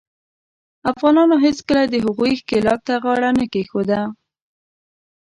افغانانو هیڅکله د هغوي ښکیلاک ته غاړه کښېنښوده.